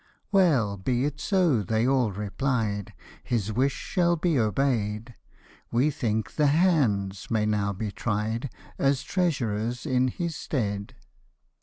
" Well, be it so," they all replied ;" His wish shall be obeyM ; We think the hands may now be tried As treasurers in his stead."